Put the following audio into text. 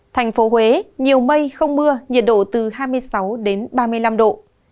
thành phố huế nhiều mây không mưa nhiệt độ từ hai mươi sáu đến ba mươi năm độ